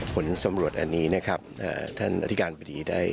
ผลสำรวจอันนี้นะครับท่านอธิการบดีได้